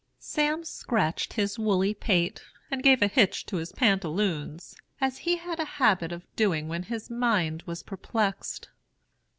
"Sam scratched his woolly pate, and gave a hitch to his pantaloons, as he had a habit of doing when his mind was perplexed.